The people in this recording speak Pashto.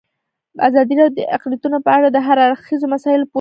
ازادي راډیو د اقلیتونه په اړه د هر اړخیزو مسایلو پوښښ کړی.